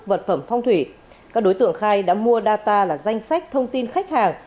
vật phẩm phong thủy các đối tượng khai đã mua data là danh sách thông tin khách hàng